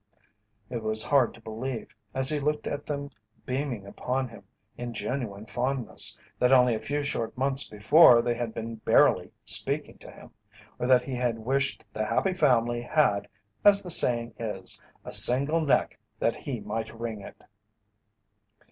It was hard to believe, as he looked at them beaming upon him in genuine fondness, that only a few short months before they had been barely speaking to him, or that he had wished The Happy Family had, as the saying is, a single neck that he might wring it.